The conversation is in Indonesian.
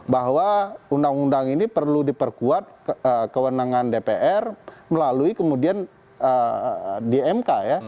bahwa undang undang ini perlu diperkuat kewenangan dpr melalui kemudian di mk ya